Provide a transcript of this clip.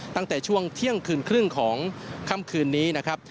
ตั้งแต่ช่วงเที่ยงคืนครึ่งของค่ำคืนนี้นะครับ